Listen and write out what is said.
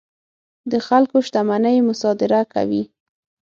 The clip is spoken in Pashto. د خلکو شتمنۍ مصادره کوي.